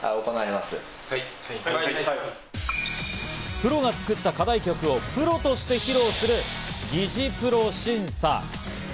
プロが作った課題曲をプロとして披露する擬似プロ審査。